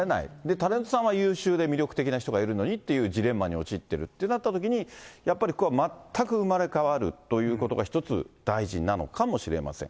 タレントさんは優秀で魅力的な人がいるのにっていうジレンマに陥ってるってなったときに、やっぱりここは全く生まれ変わるということが一つ大事なのかもしれません。